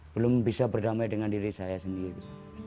belum bisa berdamai dengan diri saya sendiri